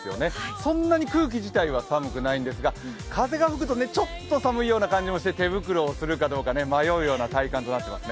そんなに空気自体は寒くないんですが風が吹くとちょっと寒いような感じもして手袋をするかどうか迷うような体感となっていますね。